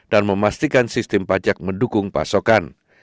dan memastikan sistem pajak mendukung pasokan